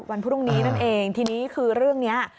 วันพรุ่งนี้นั่นเองทีนี้คือเรื่องนี้